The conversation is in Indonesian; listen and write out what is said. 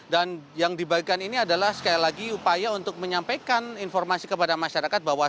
dan yang dibagikan ini adalah sekali lagi upaya untuk menyampaikan informasi kepada masyarakat bahwa